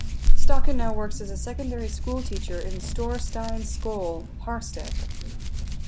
Stokkan now works as a secondary school teacher in Storsteinnes skole, Harstad.